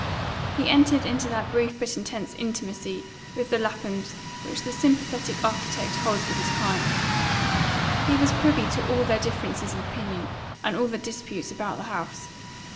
He entered into that brief but intense intimacy with the Laphams which the sympathetic architect holds with his clients. He was privy to all their differences of opinion and all their disputes about the house.